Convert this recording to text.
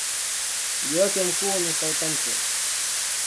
Mji wake mkuu ni Southampton.